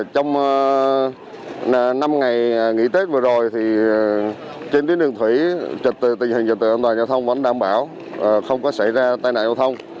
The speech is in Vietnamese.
trong năm ngày nghỉ tết vừa rồi thì trên tuyến đường thủy tình hình dịch tự an toàn giao thông vẫn đảm bảo không có xảy ra tai nạn giao thông